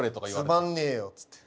「つまんねえよ」っつって。